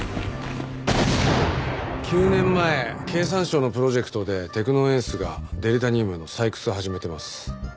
９年前経産省のプロジェクトでテクノエンスがデリタニウムの採掘を始めてます。